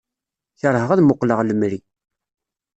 Kerheɣ ad muqleɣ lemri.